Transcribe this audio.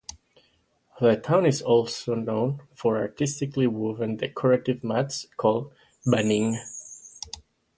The town is also known for artistically woven decorative mats called "Banig".